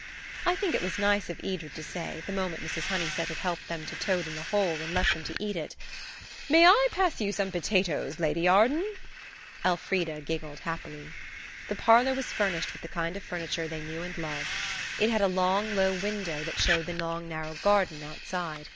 I think it was nice of Edred to say, the moment Mrs. Honeysett had helped them to toad in the hole and left them to eat it– "May I pass you some potatoes, Lady Arden?" Elfrida giggled happily. The parlour was furnished with the kind of furniture they knew and loved. It had a long, low window that showed the long, narrow garden outside.